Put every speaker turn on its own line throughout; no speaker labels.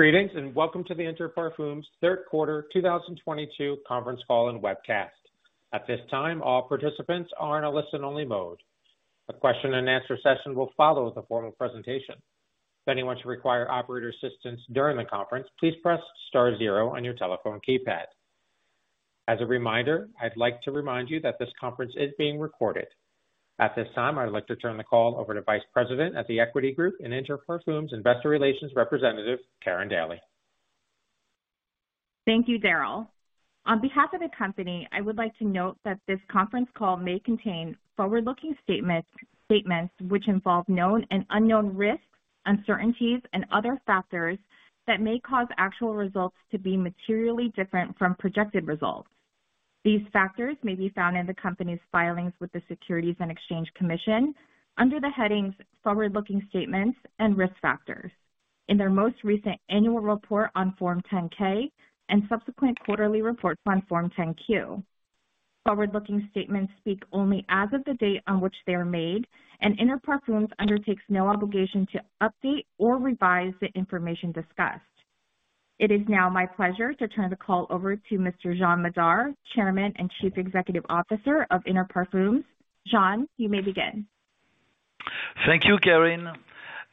Greetings, and welcome to the Inter Parfums third quarter 2022 conference call and webcast. At this time, all participants are in a listen-only mode. A question and answer session will follow the formal presentation. If anyone should require operator assistance during the conference, please press star zero on your telephone keypad. As a reminder, I'd like to remind you that this conference is being recorded. At this time, I'd like to turn the call over to Vice President at The Equity Group and Inter Parfums Investor Relations representative, Karin Daly.
Thank you, Daryl. On behalf of the company, I would like to note that this conference call may contain forward-looking statements which involve known and unknown risks, uncertainties, and other factors that may cause actual results to be materially different from projected results. These factors may be found in the company's filings with the Securities and Exchange Commission under the headings Forward-Looking Statements and Risk Factors. In their most recent annual report on Form 10-K and subsequent quarterly reports on Form 10-Q. Forward-looking statements speak only as of the date on which they are made, and Inter Parfums undertakes no obligation to update or revise the information discussed. It is now my pleasure to turn the call over to Mr. Jean Madar, Chairman and Chief Executive Officer of Inter Parfums. Jean, you may begin.
Thank you, Karin.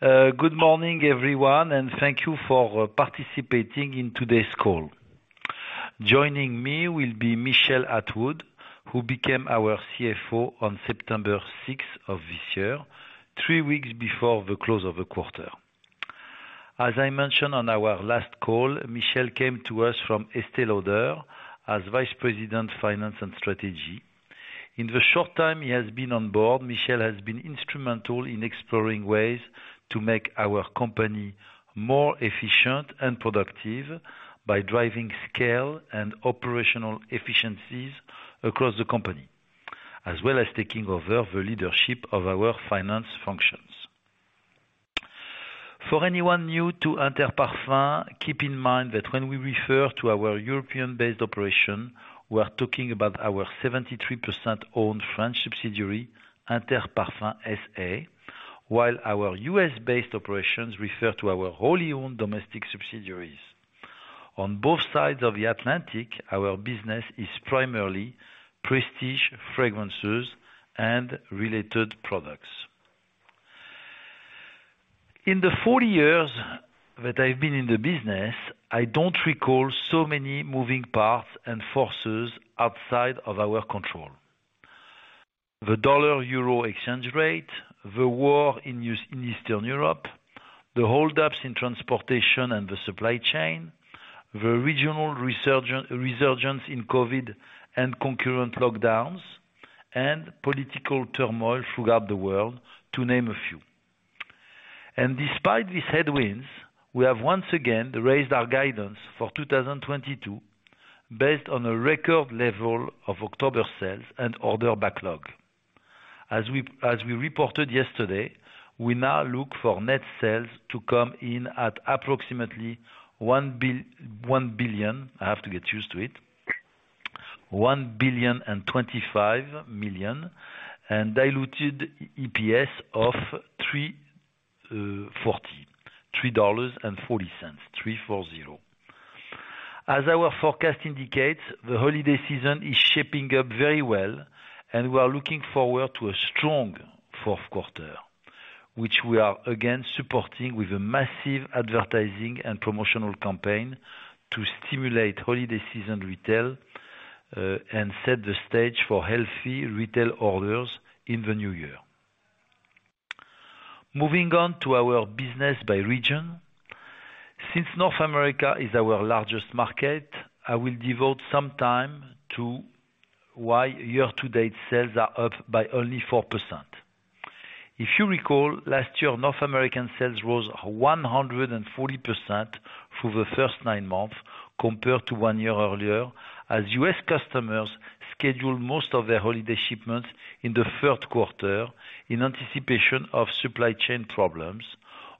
Good morning, everyone, and thank you for participating in today's call. Joining me will be Michel Atwood, who became our CFO on September 6th of this year, three weeks before the close of the quarter. As I mentioned on our last call, Michel came to us from Estée Lauder as Vice President, Finance and Strategy. In the short time he has been on board, Michel has been instrumental in exploring ways to make our company more efficient and productive by driving scale and operational efficiencies across the company, as well as taking over the leadership of our finance functions. For anyone new to Inter Parfums, keep in mind that when we refer to our European-based operation, we're talking about our 73%-owned French subsidiary, Interparfums SA, while our U.S.-based operations refer to our wholly owned domestic subsidiaries. On both sides of the Atlantic, our business is primarily prestige fragrances and related products. In the 40 years that I've been in the business, I don't recall so many moving parts and forces outside of our control. The dollar-euro exchange rate, the war in Eastern Europe, the hold ups in transportation and the supply chain, the regional resurgence in COVID and concurrent lockdowns, and political turmoil throughout the world, to name a few. Despite these headwinds, we have once again raised our guidance for 2022 based on a record level of October sales and order backlog. As we reported yesterday, we now look for net sales to come in at approximately $1.025 billion and diluted EPS of $3.40. As our forecast indicates, the holiday season is shaping up very well, and we are looking forward to a strong fourth quarter, which we are again supporting with a massive advertising and promotional campaign to stimulate holiday season retail, and set the stage for healthy retail orders in the new year. Moving on to our business by region. Since North America is our largest market, I will devote some time to why year-to-date sales are up by only 4%. If you recall, last year North American sales rose 140% through the first nine months compared to one year earlier, as U.S. customers scheduled most of their holiday shipments in the third quarter in anticipation of supply chain problems.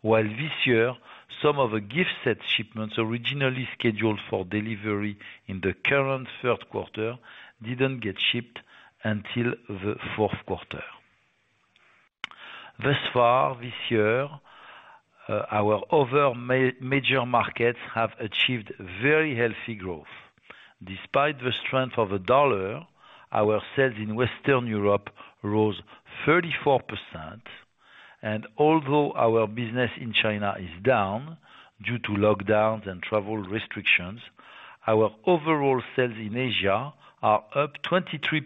While this year, some of the gift set shipments originally scheduled for delivery in the current third quarter didn't get shipped until the fourth quarter. Thus far this year, our other major markets have achieved very healthy growth. Despite the strength of the dollar, our sales in Western Europe rose 34%. Although our business in China is down due to lockdowns and travel restrictions, our overall sales in Asia are up 23%.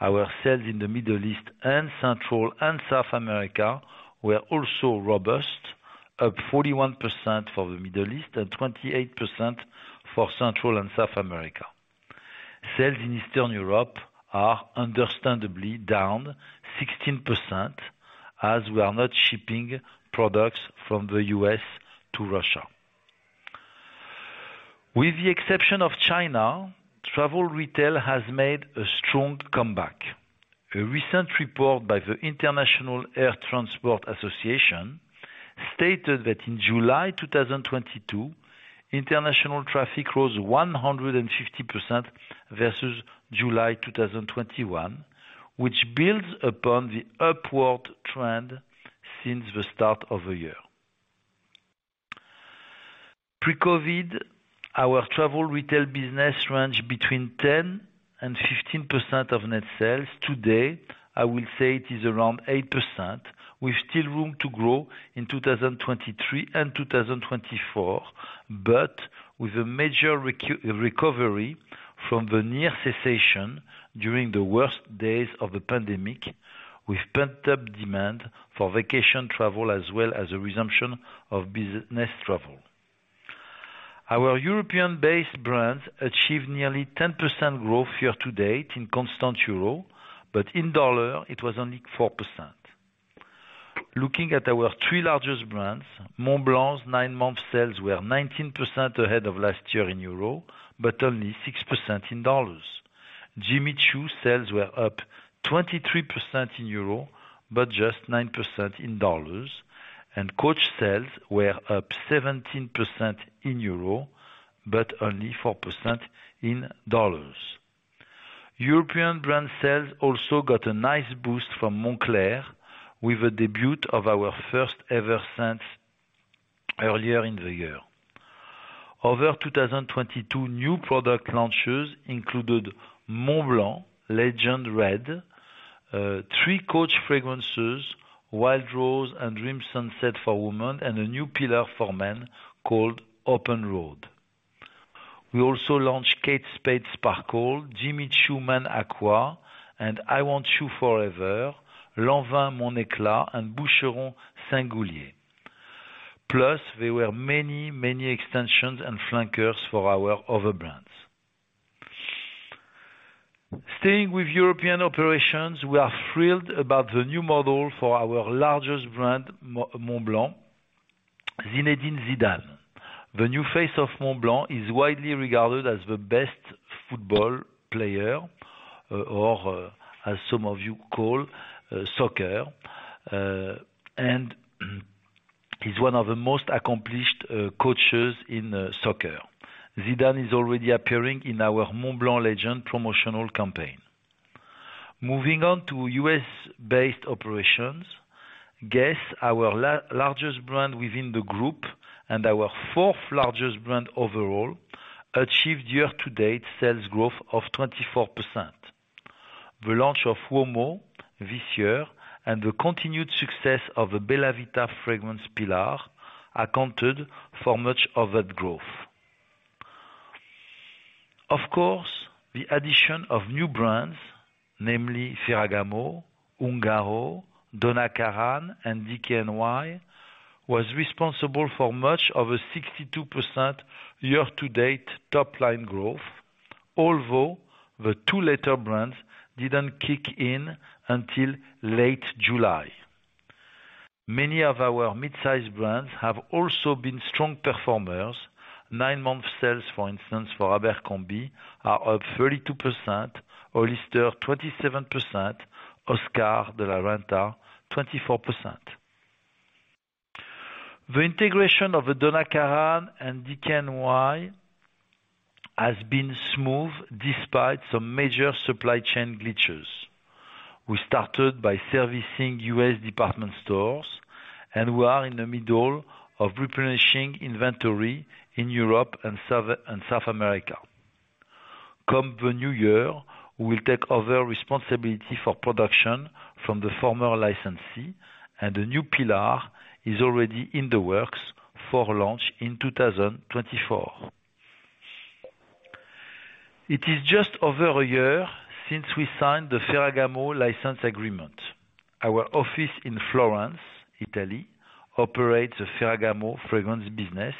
Our sales in the Middle East and Central and South America were also robust, up 41% for the Middle East and 28% for Central and South America. Sales in Eastern Europe are understandably down 16% as we are not shipping products from the U.S. to Russia. With the exception of China, travel retail has made a strong comeback. A recent report by the International Air Transport Association stated that in July 2022, international traffic rose 150% versus July 2021, which builds upon the upward trend since the start of the year. Pre-COVID, our travel retail business range between 10% and 15% of net sales. Today, I will say it is around 8%. We've still room to grow in 2023 and 2024, but with a major recovery from the near cessation during the worst days of the pandemic, with pent-up demand for vacation travel as well as a resumption of business travel. Our European-based brands achieved nearly 10% growth year-to-date in constant euro, but in dollar it was only 4%. Looking at our three largest brands, Montblanc's nine-month sales were 19% ahead of last year in euro, but only 6% in dollars. Jimmy Choo sales were up 23% in euro, but just 9% in dollars, and Coach sales were up 17% in euro, but only 4% in dollars. European brand sales also got a nice boost from Moncler with the debut of our first ever scent earlier in the year. Other 2022 new product launches included Montblanc Legend Red, three Coach fragrances, Wild Rose and Dreams Sunset for women, and a new pillar for men called Open Road. We also launched Kate Spade Sparkle, Jimmy Choo Man Aqua, and I Want Choo Forever, Lanvin Mon Éclat, and Boucheron Singulier. Plus, there were many, many extensions and flankers for our other brands. Staying with European operations, we are thrilled about the new model for our largest brand, Montblanc, Zinédine Zidane. The new face of Montblanc is widely regarded as the best football player, or, as some of you call, soccer. And he's one of the most accomplished coaches in soccer. Zidane is already appearing in our Montblanc Legend promotional campaign. Moving on to U.S.-based operations. Guess, our largest brand within the group and our fourth largest brand overall, achieved year-to-date sales growth of 24%. The launch of Uomo this year and the continued success of the Bella Vita fragrance pillar accounted for much of that growth. Of course, the addition of new brands, namely Ferragamo, Ungaro, Donna Karan, and DKNY, was responsible for much of a 62% year-to-date top line growth. Although, the two latter brands didn't kick in until late July. Many of our mid-sized brands have also been strong performers. Nine-month sales, for instance, for Abercrombie are up 32%, Hollister 27%, Oscar de la Renta 24%. The integration of the Donna Karan and DKNY has been smooth despite some major supply chain glitches. We started by servicing U.S. department stores and we are in the middle of replenishing inventory in Europe and South America. Come the new year, we will take over responsibility for production from the former licensee, and a new pillar is already in the works for launch in 2024. It is just over a year since we signed the Ferragamo license agreement. Our office in Florence, Italy, operates the Ferragamo fragrance business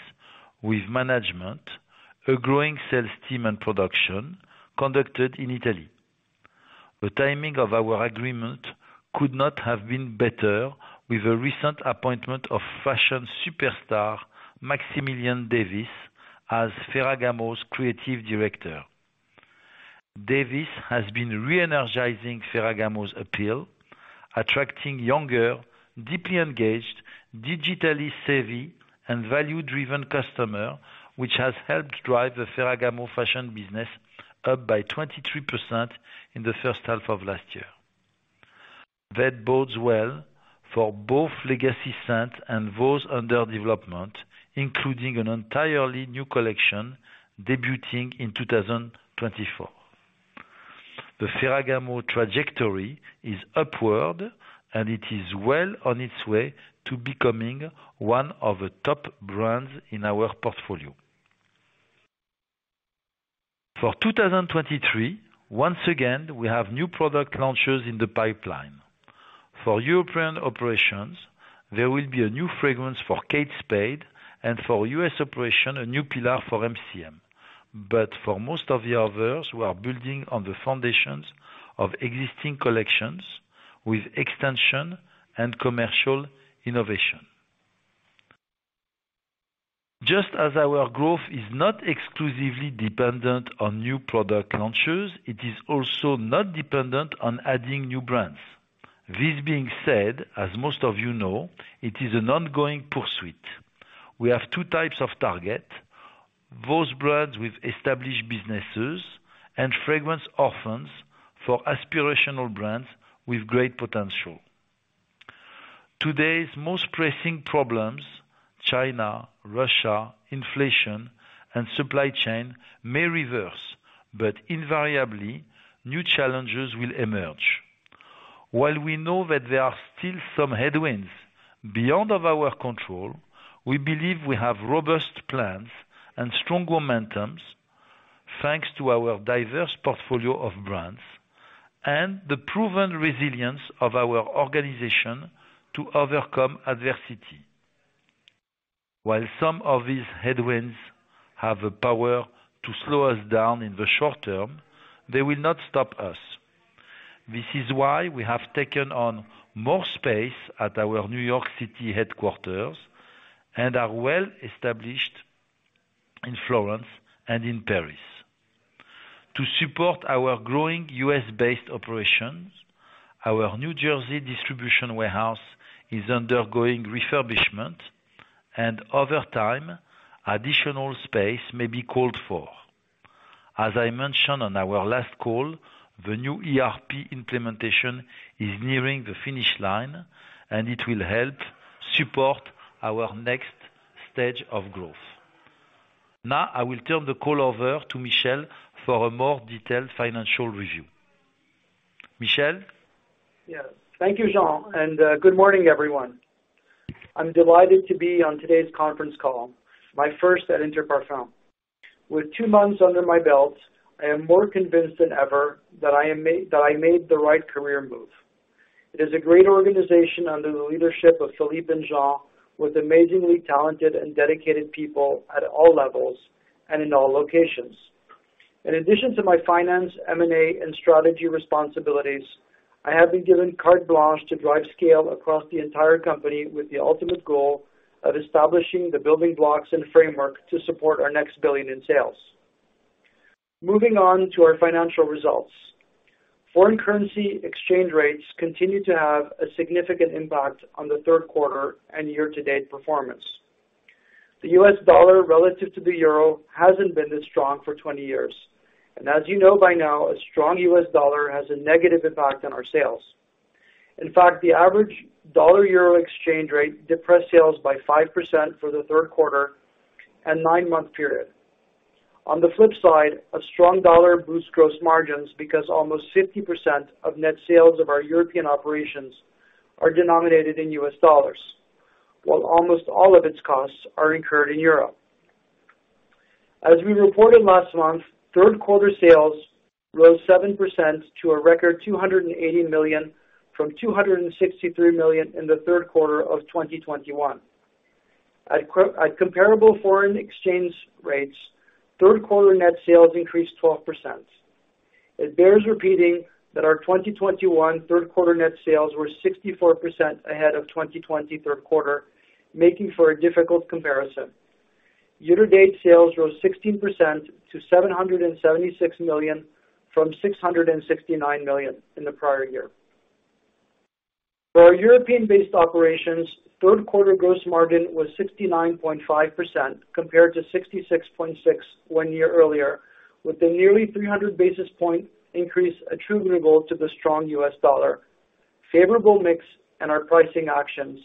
with management, a growing sales team, and production conducted in Italy. The timing of our agreement could not have been better with the recent appointment of fashion superstar Maximilian Davis as Ferragamo's Creative Director. Davis has been re-energizing Ferragamo's appeal, attracting younger, deeply engaged, digitally savvy, and value-driven customer, which has helped drive the Ferragamo fashion business up by 23% in the first half of last year. That bodes well for both legacy scents and those under development, including an entirely new collection debuting in 2024. The Ferragamo trajectory is upward, and it is well on its way to becoming one of the top brands in our portfolio. For 2023, once again, we have new product launches in the pipeline. For European operations, there will be a new fragrance for Kate Spade, and for U.S. operation, a new pillar for MCM. For most of the others, we are building on the foundations of existing collections with extension and commercial innovation. Just as our growth is not exclusively dependent on new product launches, it is also not dependent on adding new brands. This being said, as most of you know, it is an ongoing pursuit. We have two types of targets, those brands with established businesses and fragrance orphans for aspirational brands with great potential. Today's most pressing problems, China, Russia, inflation, and supply chain, may reverse, but invariably, new challenges will emerge. While we know that there are still some headwinds beyond our control, we believe we have robust plans and strong momentum, thanks to our diverse portfolio of brands and the proven resilience of our organization to overcome adversity. While some of these headwinds have the power to slow us down in the short term, they will not stop us. This is why we have taken on more space at our New York City headquarters and are well established in Florence and in Paris. To support our growing U.S.-based operations, our New Jersey distribution warehouse is undergoing refurbishment, and over time, additional space may be called for. As I mentioned on our last call, the new ERP implementation is nearing the finish line, and it will help support our next stage of growth. Now, I will turn the call over to Michel for a more detailed financial review. Michel?
Yes. Thank you, Jean, and good morning, everyone. I'm delighted to be on today's conference call, my first at Inter Parfums. With two months under my belt, I am more convinced than ever that I made the right career move. It is a great organization under the leadership of Philippe and Jean, with amazingly talented and dedicated people at all levels and in all locations. In addition to my finance, M&A, and strategy responsibilities, I have been given carte blanche to drive scale across the entire company with the ultimate goal of establishing the building blocks and framework to support our next billion in sales. Moving on to our financial results. Foreign currency exchange rates continue to have a significant impact on the third quarter and year-to-date performance. The U.S. dollar relative to the euro hasn't been this strong for 20 years, and as you know by now, a strong U.S. dollar has a negative impact on our sales. In fact, the average dollar euro exchange rate depressed sales by 5% for the third quarter and nine-month period. On the flip side, a strong dollar boosts gross margins because almost 50% of net sales of our European operations are denominated in U.S. dollars, while almost all of its costs are incurred in Europe. As we reported last month, third quarter sales rose 7% to a record $280 million from $263 million in the third quarter of 2021. At comparable foreign exchange rates, third quarter net sales increased 12%. It bears repeating that our 2021 third quarter net sales were 64% ahead of 2020 third quarter, making for a difficult comparison. Year-to-date sales rose 16% to $776 million from $669 million in the prior year. For our European-based operations, third quarter gross margin was 69.5% compared to 66.6% one year earlier, with the nearly 300 basis points increase attributable to the strong U.S. dollar, favorable mix in our pricing actions,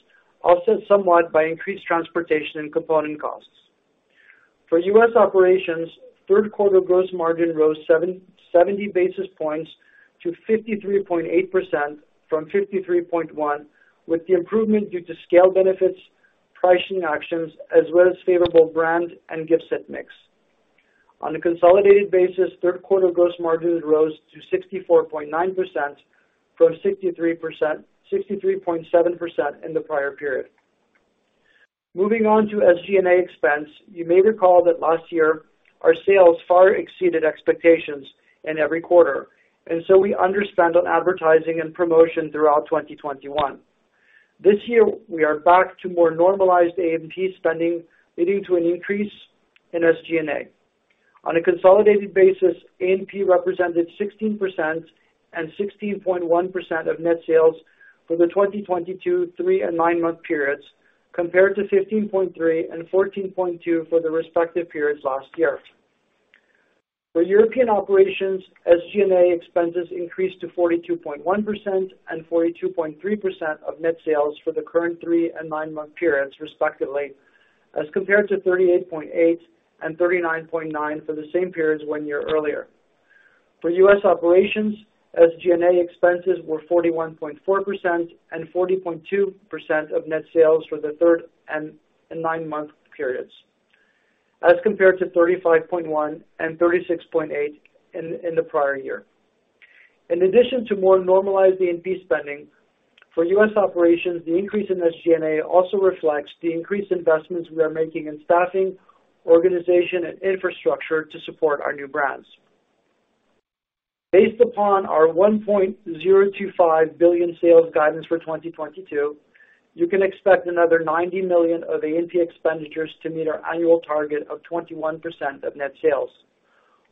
offset somewhat by increased transportation and component costs. For US operations, third quarter gross margin rose 70 basis points to 53.8% from 53.1%, with the improvement due to scale benefits, pricing actions, as well as favorable brand and gift set mix. On a consolidated basis, third quarter gross margin rose to 64.9% from 63.7% in the prior period. Moving on to SG&A expense. You may recall that last year, our sales far exceeded expectations in every quarter, and so we underspent on advertising and promotion throughout 2021. This year, we are back to more normalized A&P spending, leading to an increase in SG&A. On a consolidated basis, A&P represented 16% and 16.1% of net sales for the 2022, three, and nine-month periods, compared to 15.3% and 14.2% for the respective periods last year. For European operations, SG&A expenses increased to 42.1% and 42.3% of net sales for the current three and nine-month periods, respectively, as compared to 38.8% and 39.9% for the same periods one year earlier. For U.S. operations, SG&A expenses were 41.4% and 40.2% of net sales for the third and the nine-month periods, as compared to 35.1% and 36.8% in the prior year. In addition to more normalized A&P spending, for U.S. operations, the increase in SG&A also reflects the increased investments we are making in staffing, organization, and infrastructure to support our new brands. Based upon our $1.025 billion sales guidance for 2022, you can expect another $90 million of A&P expenditures to meet our annual target of 21% of net sales.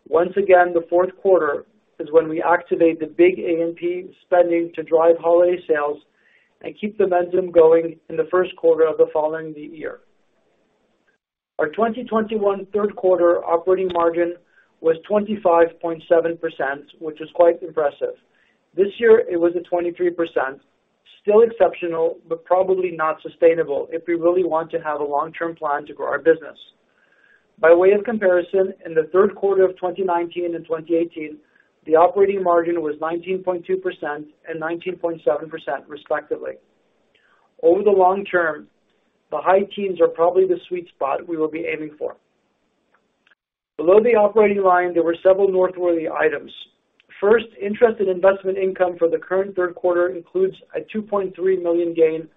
Once again, the fourth quarter is when we activate the big A&P spending to drive holiday sales and keep the momentum going in the first quarter of the following year. Our 2021 third quarter operating margin was 25.7%, which is quite impressive. This year it was at 23%. Still exceptional, but probably not sustainable if we really want to have a long-term plan to grow our business. By way of comparison, in the third quarter of 2019 and 2018, the operating margin was 19.2% and 19.7% respectively. Over the long term, the high teens are probably the sweet spot we will be aiming for. Below the operating line, there were several noteworthy items. First, interest and investment income for the current third quarter includes a $2.3 million gain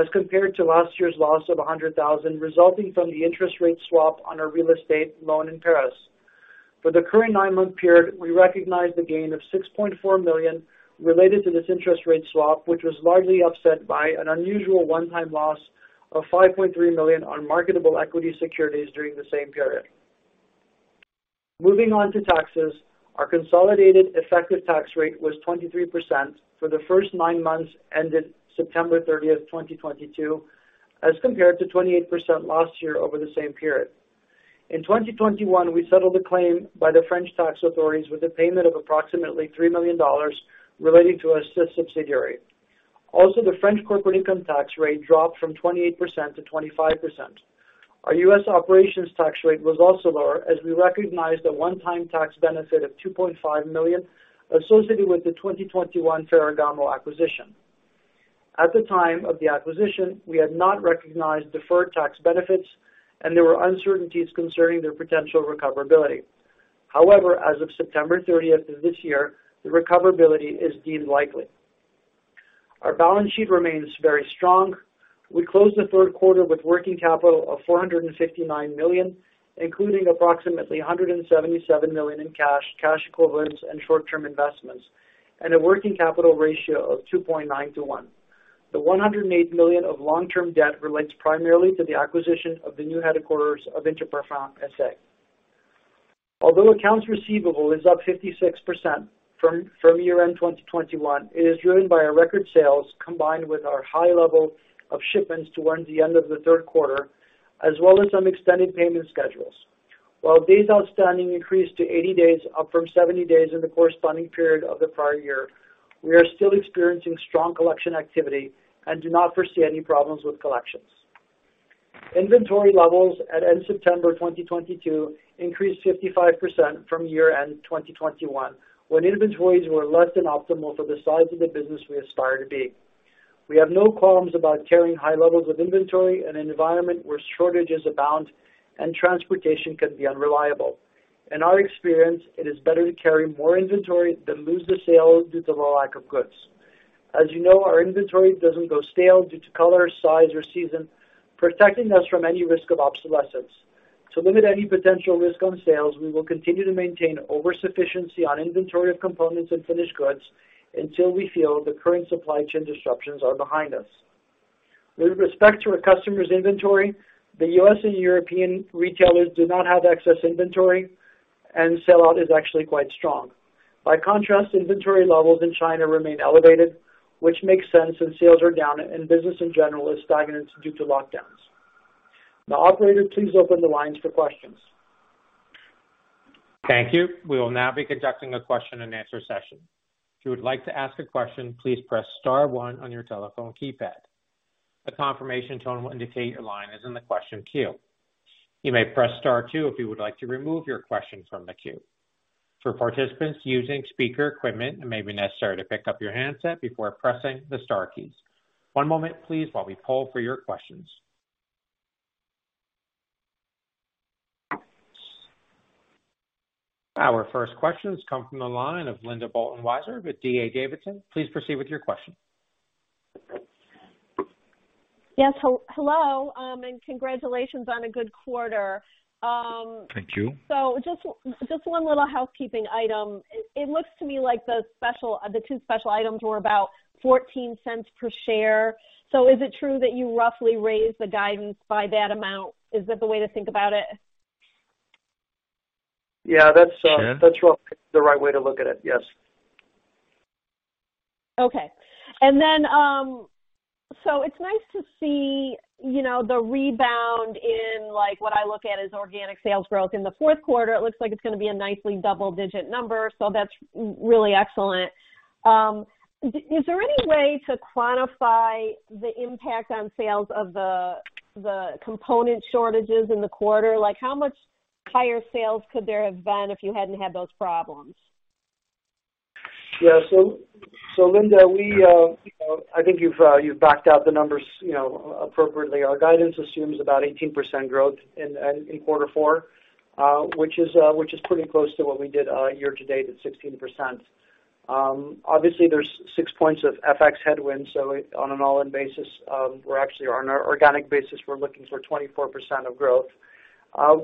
as compared to last year's loss of $100,000, resulting from the interest rate swap on our real estate loan in Paris. For the current nine-month period, we recognized a gain of $6.4 million related to this interest rate swap, which was largely offset by an unusual one-time loss of $5.3 million on marketable equity securities during the same period. Moving on to taxes, our consolidated effective tax rate was 23% for the first nine months ended September 30, 2022, as compared to 28% last year over the same period. In 2021, we settled a claim by the French tax authorities with a payment of approximately $3 million relating to Interparfums SA. Also, the French corporate income tax rate dropped from 28% to 25%. Our U.S. operations tax rate was also lower as we recognized a one-time tax benefit of $2.5 million associated with the 2021 Ferragamo acquisition. At the time of the acquisition, we had not recognized deferred tax benefits, and there were uncertainties concerning their potential recoverability. However, as of September 30th of this year, the recoverability is deemed likely. Our balance sheet remains very strong. We closed the third quarter with working capital of $459 million, including approximately $177 million in cash equivalents, and short-term investments, and a working capital ratio of 2.9:1. The $108 million of long-term debt relates primarily to the acquisition of the new headquarters of Interparfums SA. Although accounts receivable is up 56% from year-end 2021, it is driven by our record sales combined with our high level of shipments towards the end of the third quarter, as well as some extended payment schedules. While days outstanding increased to 80 days, up from 70 days in the corresponding period of the prior year, we are still experiencing strong collection activity and do not foresee any problems with collections. Inventory levels at end September 2022 increased 55% from year-end 2021, when inventories were less than optimal for the size of the business we aspire to be. We have no qualms about carrying high levels of inventory in an environment where shortages abound and transportation can be unreliable. In our experience, it is better to carry more inventory than lose the sales due to the lack of goods. As you know, our inventory doesn't go stale due to color, size, or season, protecting us from any risk of obsolescence. To limit any potential risk on sales, we will continue to maintain over-sufficiency on inventory of components and finished goods until we feel the current supply chain disruptions are behind us. With respect to our customers' inventory, the U.S. and European retailers do not have excess inventory and sellout is actually quite strong. By contrast, inventory levels in China remain elevated, which makes sense since sales are down and business in general is stagnant due to lockdowns. Now, operator, please open the lines for questions.
Thank you. We will now be conducting a question and answer session. If you would like to ask a question, please press star one on your telephone keypad. A confirmation tone will indicate your line is in the question queue. You may press star two if you would like to remove your question from the queue. For participants using speaker equipment, it may be necessary to pick up your handset before pressing the star keys. One moment please, while we poll for your questions. Our first questions come from the line of Linda Bolton Weiser with D.A. Davidson. Please proceed with your question.
Yes. Hello, congratulations on a good quarter.
Thank you.
Just one little housekeeping item. It looks to me like the two special items were about $0.14 per share. Is it true that you roughly raised the guidance by that amount? Is that the way to think about it?
Yeah. That's-
Yeah.
That's the right way to look at it. Yes.
Okay. It's nice to see, you know, the rebound in, like, what I look at as organic sales growth in the fourth quarter. It looks like it's gonna be a nicely double-digit number, so that's really excellent. Is there any way to quantify the impact on sales of the component shortages in the quarter? Like, how much higher sales could there have been if you hadn't had those problems?
Yeah. Linda, you know, I think you've backed out the numbers, you know, appropriately. Our guidance assumes about 18% growth in quarter four, which is pretty close to what we did year to date at 16%. Obviously, there's six points of FX headwind, so on an all-in basis, we're actually on our organic basis, we're looking for 24% of growth.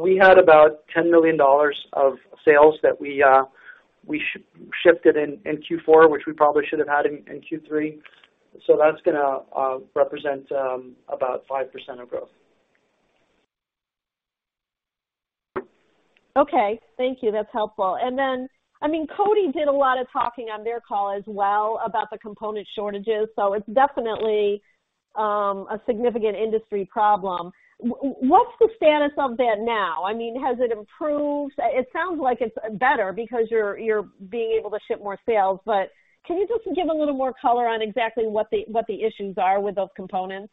We had about $10 million of sales that we shipped it in Q4, which we probably should have had in Q3. That's gonna represent about 5% of growth.
Okay. Thank you. That's helpful. I mean, Coty did a lot of talking on their call as well about the component shortages, so it's definitely a significant industry problem. What's the status of that now? I mean, has it improved? It sounds like it's better because you're being able to ship more sales. Can you just give a little more color on exactly what the issues are with those components?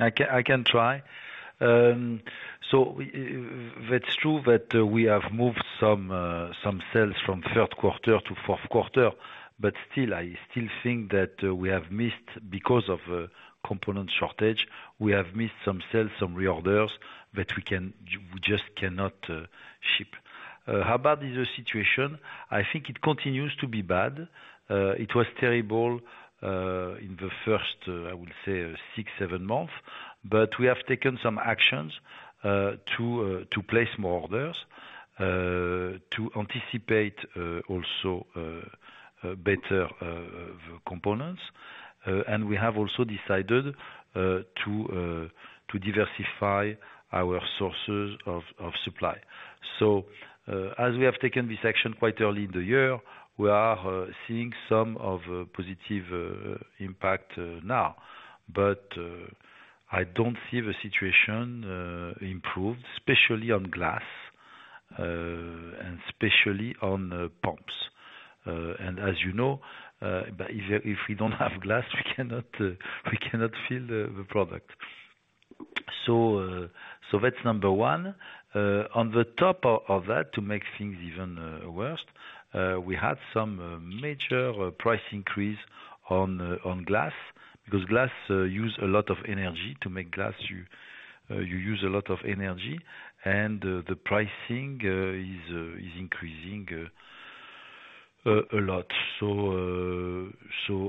I can try. That's true that we have moved some sales from third quarter to fourth quarter. Still, I still think that we have missed because of component shortage. We have missed some sales, some reorders that we just cannot ship. How bad is the situation? I think it continues to be bad. It was terrible in the first six, seven months. We have taken some actions to place more orders to anticipate also better components. We have also decided to diversify our sources of supply. As we have taken this action quite early in the year, we are seeing some positive impact now. I don't see the situation improved, especially on glass, and especially on pumps. If we don't have glass, we cannot fill the product. That's number one. On top of that, to make things even worse, we had some major price increase on glass, because glass use a lot of energy. To make glass, you use a lot of energy, and the pricing is increasing a lot.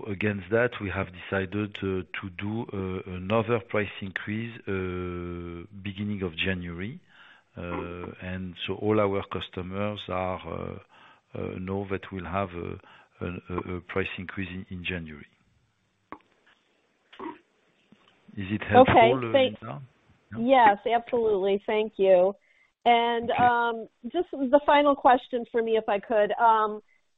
Against that, we have decided to do another price increase beginning of January. All our customers know that we'll have a price increase in January. Is it helpful, Linda?
Yes, absolutely. Thank you. Just the final question for me, if I could.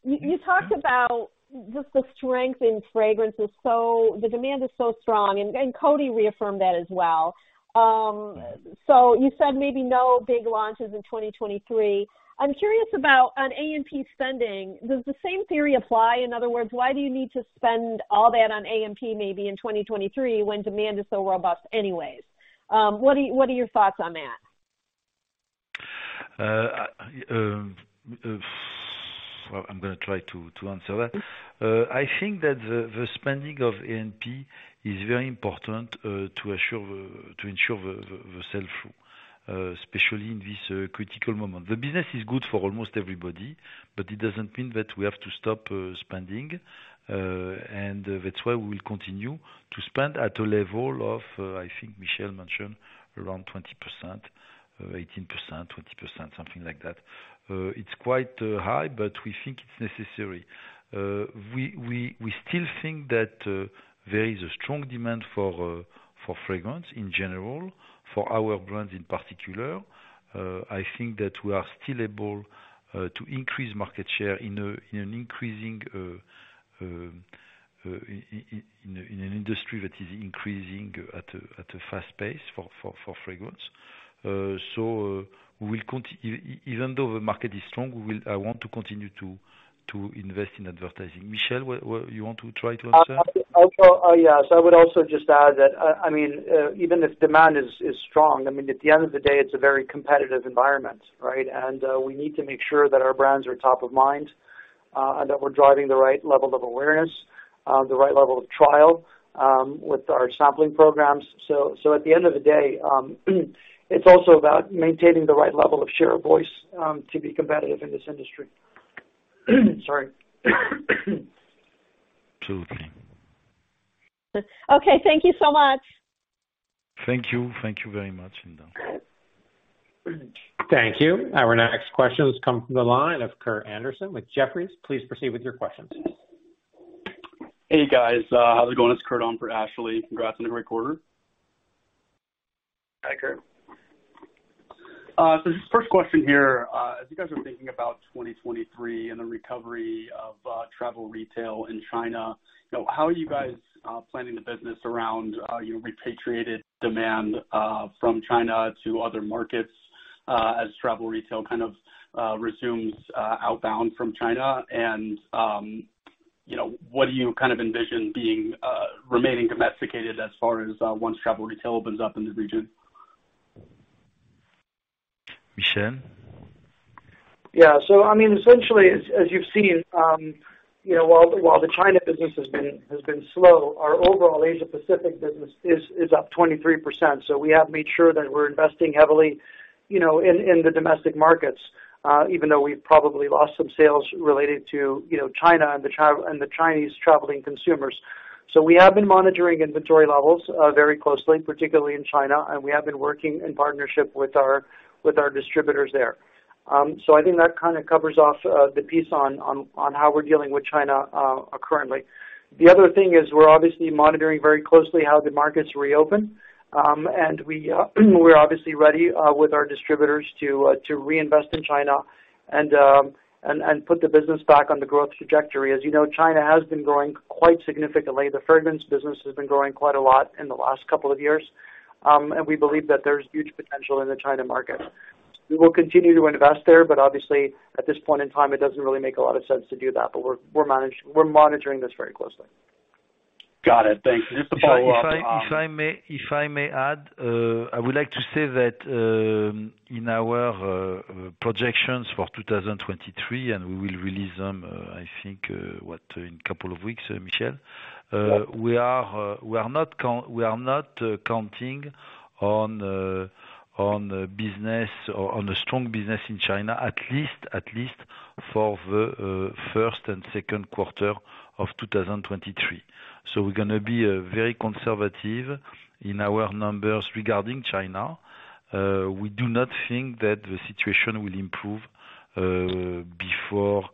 You talked about just the strength in fragrances. The demand is so strong and Coty reaffirmed that as well. You said maybe no big launches in 2023. I'm curious about A&P spending, does the same theory apply? In other words, why do you need to spend all that on A&P maybe in 2023 when demand is so robust anyways? What are your thoughts on that?
Well, I'm gonna try to answer that. I think that the spending of A&P is very important to ensure the sell through, especially in this critical moment. The business is good for almost everybody, but it doesn't mean that we have to stop spending. That's why we will continue to spend at a level of, I think Michel mentioned around 20%, 18%, 20%, something like that. It's quite high, but we think it's necessary. We still think that there is a strong demand for fragrance in general, for our brands in particular. I think that we are still able to increase market share in an increasing industry that is increasing at a fast pace for fragrance. Even though the market is strong, I want to continue to invest in advertising. Michel, what you want to try to answer?
Yes. I would also just add that, I mean, even if demand is strong, I mean, at the end of the day, it's a very competitive environment, right? We need to make sure that our brands are top of mind, and that we're driving the right level of awareness, the right level of trial, with our sampling programs. At the end of the day, it's also about maintaining the right level of share of voice, to be competitive in this industry. Sorry.
Two things.
Okay. Thank you so much.
Thank you. Thank you very much, Linda.
Thank you. Our next question comes from the line of Kurt Anderson with Jefferies. Please proceed with your questions.
Hey, guys. How's it going? It's Kurt on for Ashley. Congrats on a great quarter.
Hi, Kurt.
First question here. As you guys are thinking about 2023 and the recovery of travel retail in China, you know, how are you guys planning the business around your repatriated demand from China to other markets as travel retail kind of resumes outbound from China? You know, what do you kind of envision being remaining domesticated as far as once travel retail opens up in the region?
Michel?
Yeah. I mean, essentially, as you've seen, you know, while the China business has been slow, our overall Asia Pacific business is up 23%. We have made sure that we're investing heavily, you know, in the domestic markets, even though we've probably lost some sales related to, you know, China and the Chinese traveling consumers. We have been monitoring inventory levels very closely, particularly in China, and we have been working in partnership with our distributors there. I think that kind of covers off the piece on how we're dealing with China currently. The other thing is we're obviously monitoring very closely how the markets reopen, and we're obviously ready with our distributors to reinvest in China and put the business back on the growth trajectory. As you know, China has been growing quite significantly. The fragrance business has been growing quite a lot in the last couple of years, and we believe that there's huge potential in the China market. We will continue to invest there, but obviously at this point in time, it doesn't really make a lot of sense to do that. We're monitoring this very closely.
Got it. Thanks. Just to follow up,
If I may add, I would like to say that in our projections for 2023, we will release them, I think, in a couple of weeks, Michel. We are not counting on strong business in China, at least for the first and second quarter of 2023. We're gonna be very conservative in our numbers regarding China. We do not think that the situation will improve before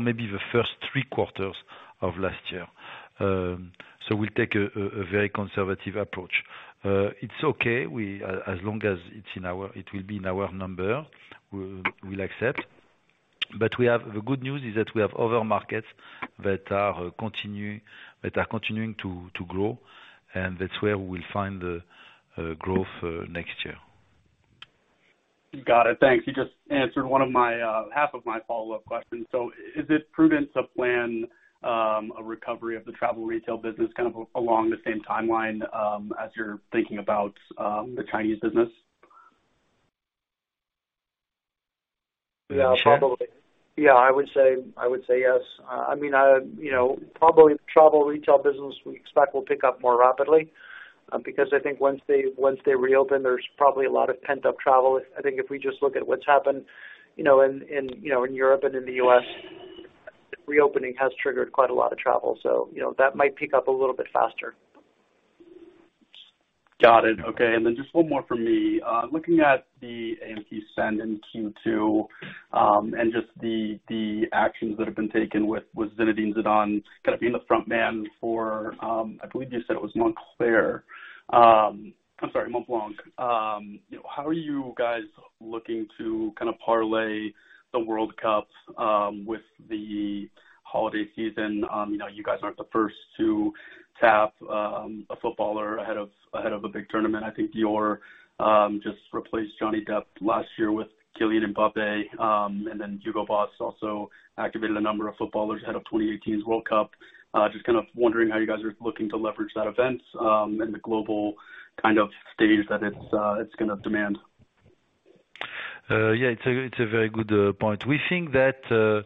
maybe the first three quarters of last year. We'll take a very conservative approach. It's okay. As long as it's in our number, it will be in our number, we'll accept. The good news is that we have other markets that are continuing to grow, and that's where we'll find the growth next year.
Got it. Thanks. You just answered one of my half of my follow-up questions. Is it prudent to plan a recovery of the travel retail business kind of along the same timeline as you're thinking about the Chinese business?
Michel?
Yeah, probably. Yeah, I would say yes. I mean, you know, probably travel retail business we expect will pick up more rapidly, because I think once they reopen, there's probably a lot of pent-up travel. I think if we just look at what's happened, you know, in Europe and in the U.S., reopening has triggered quite a lot of travel. You know, that might pick up a little bit faster.
Got it. Okay. Then just one more from me. Looking at the A&P spend in Q2, and just the actions that have been taken with Zinédine Zidane kind of being the front man for, I believe you said it was Montblanc. I'm sorry, Montblanc. You know, how are you guys looking to kind of parlay the World Cup with the holiday season? You know, you guys aren't the first to tap a footballer ahead of a big tournament. I think Dior just replaced Johnny Depp last year with Kylian Mbappé. And then Hugo Boss also activated a number of footballers ahead of 2018's World Cup. Just kind of wondering how you guys are looking to leverage that event, and the global kind of stage that it's going to demand.
Yeah, it's a very good point. We think that the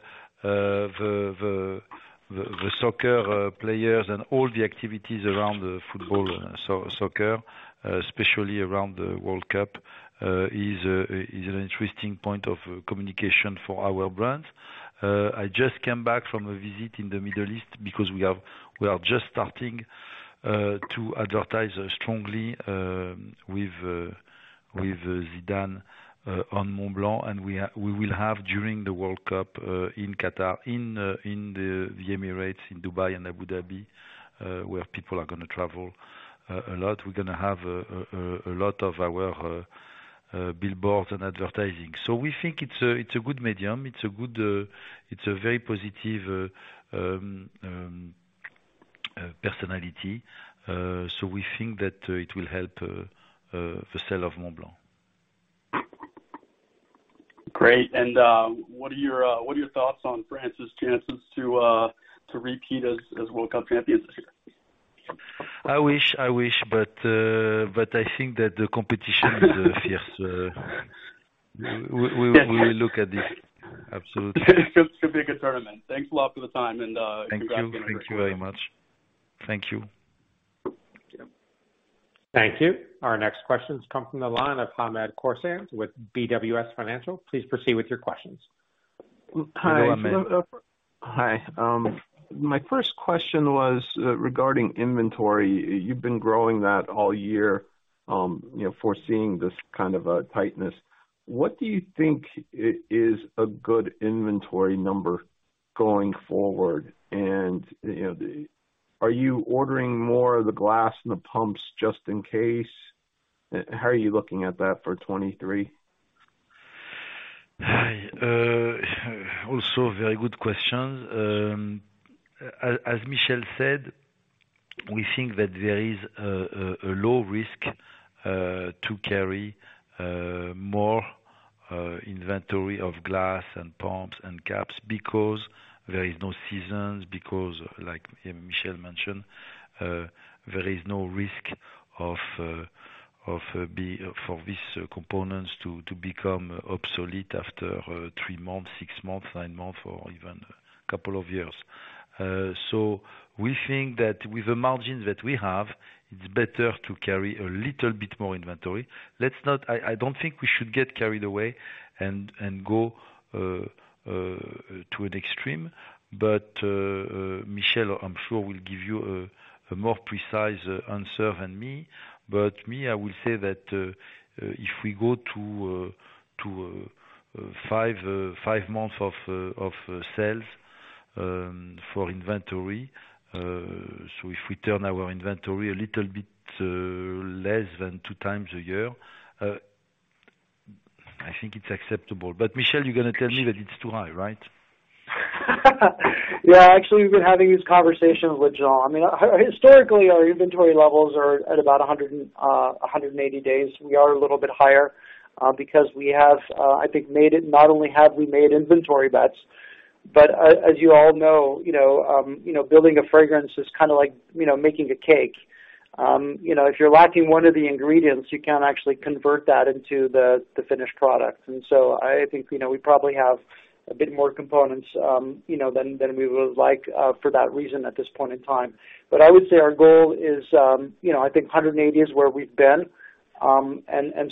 soccer players and all the activities around the football, so soccer, especially around the World Cup, is an interesting point of communication for our brand. I just came back from a visit in the Middle East because we are just starting to advertise strongly with Zidane on Montblanc. We will have during the World Cup in Qatar, in the Emirates, in Dubai and Abu Dhabi, where people are gonna travel a lot. We're gonna have a lot of our billboards and advertising. We think it's a good medium. It's a very positive personality. We think that the sale of Montblanc.
Great. What are your thoughts on France's chances to repeat as World Cup champions this year?
I wish, but I think that the competition is fierce. We will look at this. Absolutely.
It could be a good tournament. Thanks a lot for the time and congrats on a great quarter.
Thank you. Thank you very much. Thank you.
Thank you.
Thank you. Our next questions come from the line of Hamed Khorsand with BWS Financial. Please proceed with your questions.
Hello, Hamed.
Hi. My first question was regarding inventory. You've been growing that all year, you know, foreseeing this kind of tightness. What do you think is a good inventory number going forward? You know, are you ordering more of the glass and the pumps just in case? How are you looking at that for 2023?
Also very good questions. As Michel said, we think that there is a low risk to carry more inventory of glass and pumps and caps because there is no seasonality, because like Michel mentioned, there is no risk of these components to become obsolete after three months, six months, nine months or even a couple of years. We think that with the margin that we have, it's better to carry a little bit more inventory. Let's not. I don't think we should get carried away and go to an extreme. Michel, I'm sure will give you a more precise answer than me. Me, I will say that if we go to five months of sales for inventory, so if we turn our inventory a little bit less than two times a year, I think it's acceptable. But Michel, you're gonna tell me that it's too high, right?
Yeah. Actually, we've been having these conversations with Jean. I mean, historically, our inventory levels are at about 180 days. We are a little bit higher because we have, I think not only have we made inventory bets, but as you all know, you know, building a fragrance is kinda like, you know, making a cake. You know, if you're lacking one of the ingredients, you can't actually convert that into the finished product. I think, you know, we probably have a bit more components, you know, than we would like for that reason at this point in time. I would say our goal is, you know, I think 180 is where we've been.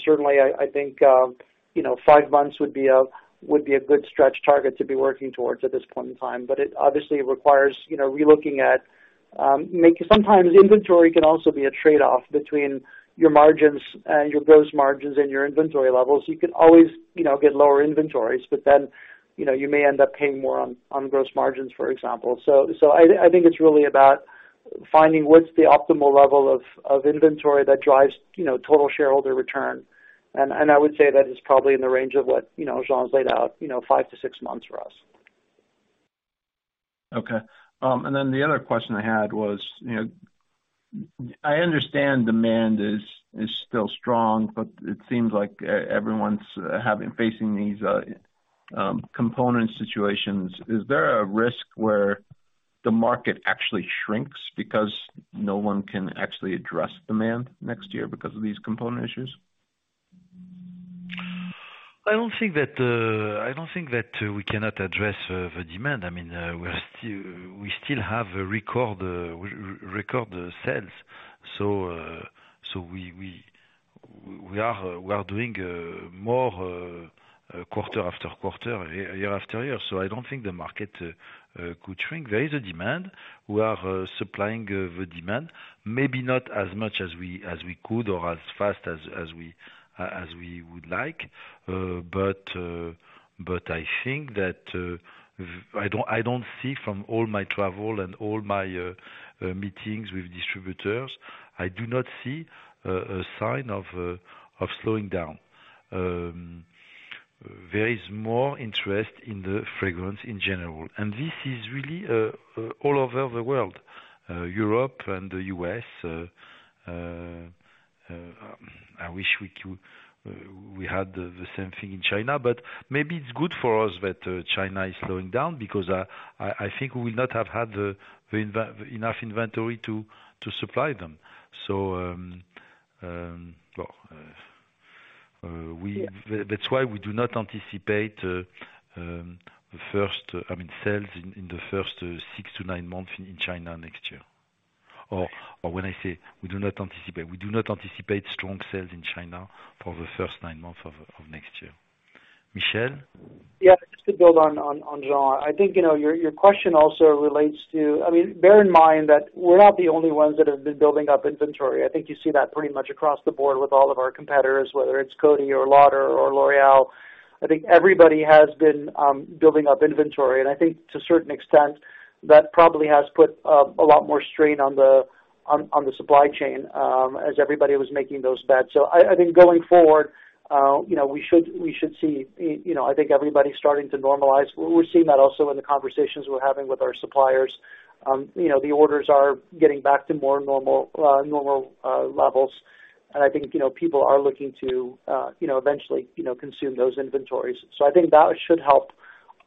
Certainly I think you know, five months would be a good stretch target to be working towards at this point in time. It obviously requires you know, relooking at making. Sometimes inventory can also be a trade-off between your margins and your gross margins and your inventory levels. You could always you know, get lower inventories, but then you know, you may end up paying more on gross margins, for example. I think it's really about finding what's the optimal level of inventory that drives you know, total shareholder return. I would say that is probably in the range of what you know, Jean's laid out, you know, five to six months for us.
Okay. The other question I had was, you know, I understand demand is still strong, but it seems like everyone's facing these component situations. Is there a risk where the market actually shrinks because no one can actually address demand next year because of these component issues?
I don't think that we cannot address the demand. I mean, we're still have a record sales. So we are doing more quarter after quarter, year after year. I don't think the market could shrink. There is a demand. We are supplying the demand, maybe not as much as we could or as fast as we would like. But I think that I don't see from all my travel and all my meetings with distributors. I do not see a sign of slowing down. There is more interest in the fragrance in general, and this is really all over the world, Europe and the U.S. I wish we had the same thing in China, but maybe it's good for us that China is slowing down because I think we would not have had enough inventory to supply them.
Yeah.
That's why we do not anticipate sales in the first six, nine months in China next year. Or when I say we do not anticipate, we do not anticipate strong sales in China for the first nine months of next year. Michel?
Yeah. Just to build on Jean. I think you know your question also relates to. I mean, bear in mind that we're not the only ones that have been building up inventory. I think you see that pretty much across the board with all of our competitors, whether it's Coty or Estée Lauder or L'Oréal. I think everybody has been building up inventory, and I think to a certain extent, that probably has put a lot more strain on the supply chain as everybody was making those bets. I think going forward you know we should see you know I think everybody starting to normalize. We're seeing that also in the conversations we're having with our suppliers. You know the orders are getting back to more normal levels. I think, you know, people are looking to, you know, eventually, you know, consume those inventories. I think that should help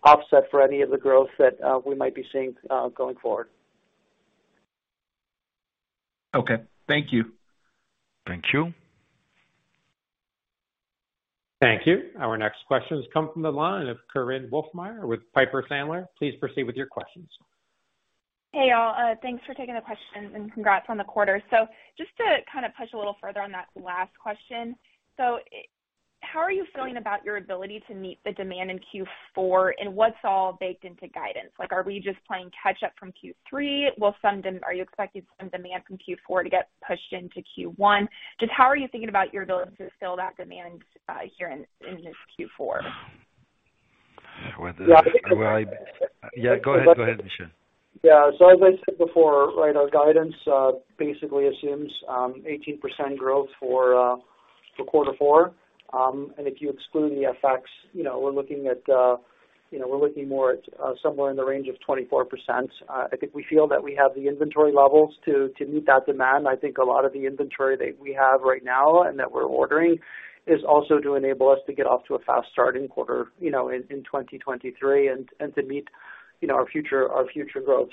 offset for any of the growth that we might be seeing going forward.
Okay. Thank you.
Thank you.
Thank you. Our next question has come from the line of Korinne Wolfmeyer with Piper Sandler. Please proceed with your questions.
Hey, all. Thanks for taking the question and congrats on the quarter. Just to kind of push a little further on that last question. How are you feeling about your ability to meet the demand in Q4, and what's all baked into guidance? Like, are we just playing catch up from Q3? Are you expecting some demand from Q4 to get pushed into Q1? Just how are you thinking about your ability to fill that demand here in this Q4?
Whether-
Yeah, I think.
Yeah, go ahead. Go ahead, Michel.
Yeah. As I said before, right, our guidance basically assumes 18% growth for quarter four. If you exclude the FX, you know, we're looking at, you know, we're looking more at somewhere in the range of 24%. I think we feel that we have the inventory levels to meet that demand. I think a lot of the inventory that we have right now and that we're ordering is also to enable us to get off to a fast start in quarter, you know, in 2023 and to meet, you know, our future growth.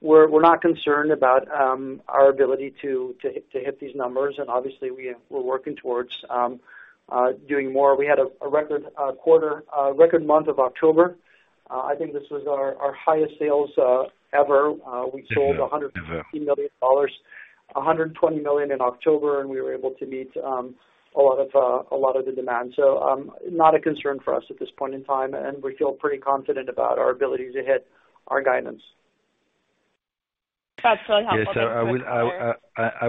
We're not concerned about our ability to hit these numbers. Obviously, we're working towards doing more. We had a record quarter, record month of October. I think this was our highest sales ever. We sold $150 million, $120 million in October, and we were able to meet a lot of the demand. Not a concern for us at this point in time, and we feel pretty confident about our ability to hit our guidance.
That's very helpful. Thanks so much. Yes, I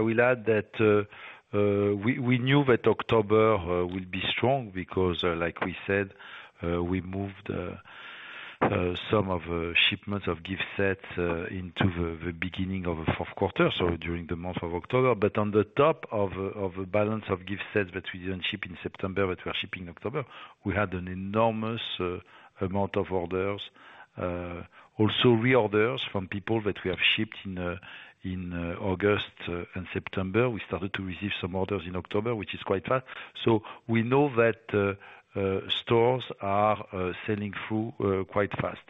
will add that we knew that October will be strong because, like we said, we moved some of shipments of gift sets into the beginning of the fourth quarter, so during the month of October. On the top of a balance of gift sets that we didn't ship in September but we are shipping October, we had an enormous amount of orders. Also reorders from people that we have shipped in August and September. We started to receive some orders in October, which is quite fast. We know that stores are selling through quite fast.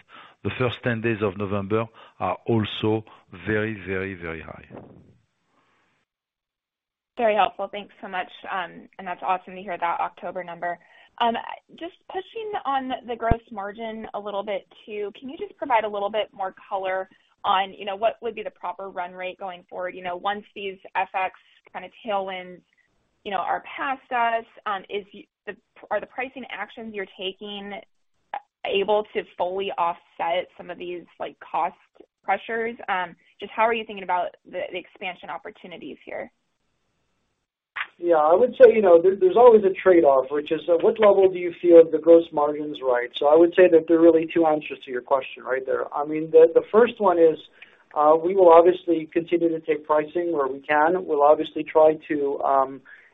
The first 10 days of November are also very high.
Very helpful. Thanks so much. That's awesome to hear that October number. Just pushing on the gross margin a little bit too. Can you just provide a little bit more color on, you know, what would be the proper run rate going forward? You know, once these FX kinda tailwinds, you know, are past us, are the pricing actions you're taking able to fully offset some of these, like, cost pressures? Just how are you thinking about the expansion opportunities here?
Yeah, I would say, you know, there's always a trade-off, which is, at what level do you feel the gross margin's right? I would say that there are really two answers to your question right there. I mean, the first one is, we will obviously continue to take pricing where we can. We'll obviously try to,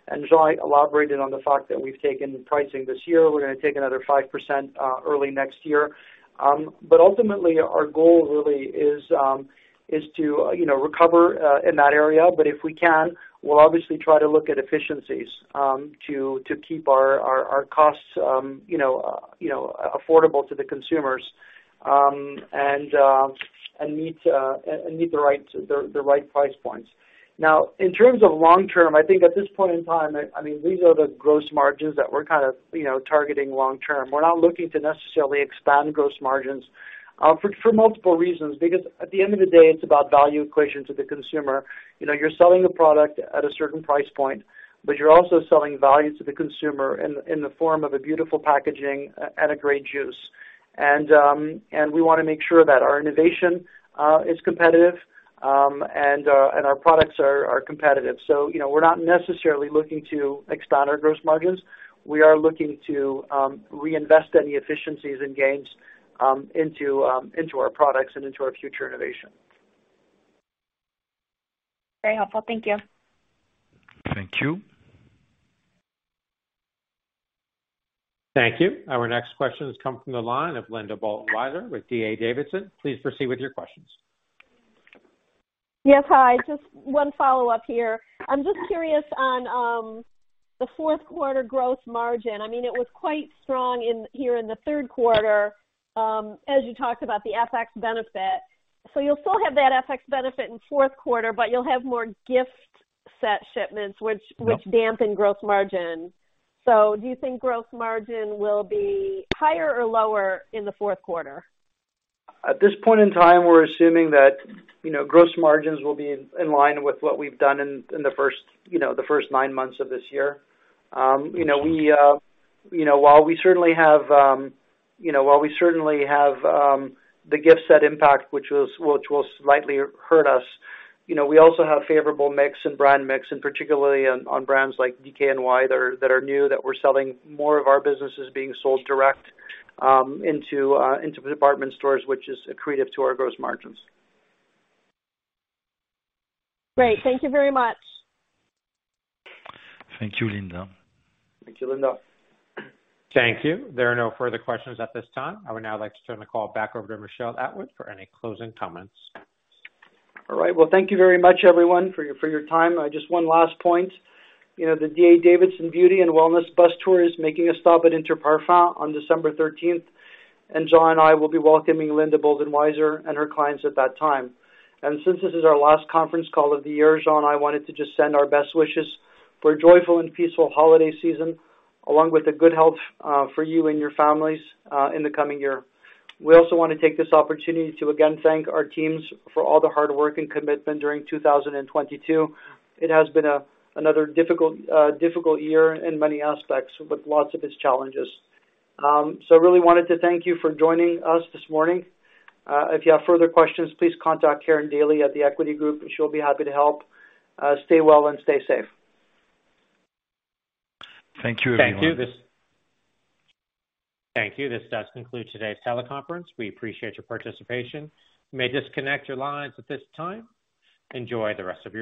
and Jean elaborated on the fact that we've taken pricing this year. We're gonna take another 5%, early next year. But ultimately, our goal really is to, you know, recover in that area. If we can, we'll obviously try to look at efficiencies, to keep our costs, you know, affordable to the consumers, and meet the right price points. Now, in terms of long term, I think at this point in time, I mean, these are the gross margins that we're kind of, you know, targeting long term. We're not looking to necessarily expand gross margins for multiple reasons. Because at the end of the day, it's about value equation to the consumer. You know, you're selling a product at a certain price point, but you're also selling value to the consumer in the form of a beautiful packaging and a great juice. We wanna make sure that our innovation is competitive and our products are competitive. You know, we're not necessarily looking to expand our gross margins. We are looking to reinvest any efficiencies and gains into our products and into our future innovation.
Very helpful. Thank you.
Thank you.
Thank you. Our next question has come from the line of Linda Bolton Weiser with D.A. Davidson. Please proceed with your questions.
Yes. Hi. Just one follow-up here. I'm just curious on the fourth quarter gross margin. I mean, it was quite strong in here in the third quarter, as you talked about the FX benefit. You'll still have that FX benefit in fourth quarter, but you'll have more gift set shipments which-
Yeah.
Which dampen gross margin. Do you think gross margin will be higher or lower in the fourth quarter?
At this point in time, we're assuming that, you know, gross margins will be in line with what we've done in the first nine months of this year. You know, while we certainly have the gift set impact which will slightly hurt us, you know, we also have favorable mix and brand mix, and particularly on brands like DKNY that are new that we're selling more of our businesses being sold direct into department stores, which is accretive to our gross margins.
Great. Thank you very much.
Thank you, Linda.
Thank you, Linda.
Thank you. There are no further questions at this time. I would now like to turn the call back over to Michel Atwood for any closing comments.
All right. Well, thank you very much, everyone, for your time. Just one last point. You know, the D.A. Davidson Beauty and Wellness Bus Tour is making a stop at Inter Parfums on December 13th, and Jean and I will be welcoming Linda Bolton Weiser and her clients at that time. Since this is our last conference call of the year, Jean and I wanted to just send our best wishes for a joyful and peaceful holiday season, along with the good health for you and your families in the coming year. We also wanna take this opportunity to again thank our teams for all the hard work and commitment during 2022. It has been another difficult year in many aspects, with lots of its challenges. So really wanted to thank you for joining us this morning. If you have further questions, please contact Karin Daly at The Equity Group, and she'll be happy to help. Stay well and stay safe. Thank you, everyone.
Thank you. Thank you. This does conclude today's teleconference. We appreciate your participation. You may disconnect your lines at this time. Enjoy the rest of your day.